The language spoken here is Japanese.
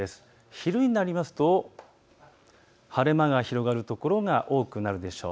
昼になりますと晴れ間が広がる所が多くなるでしょう。